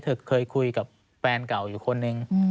เคยคุยกับแฟนเก่าอยู่คนนึง